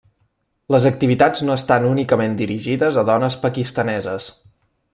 Les activitats no estan únicament dirigides a dones pakistaneses.